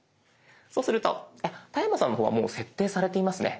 そうすると田山さんの方はもう設定されていますね。